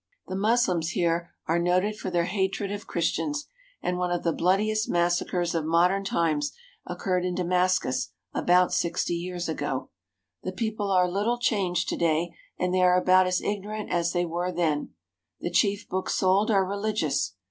The Moslems here are noted for their hatred of Chris tians, and one of the bloodiest massacres of modern times occurred in Damascus about sixty years ago. The 217 THE HOLY LAND AND SYRIA people are little changed to day, and they are about as ignorant as they were then. The chief books sold are religious.